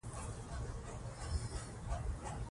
مور د کورنۍ رڼا ده.